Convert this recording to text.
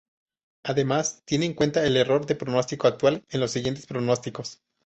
Además, tiene en cuenta el error de pronóstico actual en los siguientes pronósticos.